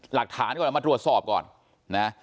หลักฐานก่อนแล้วมารวดสอบก่อน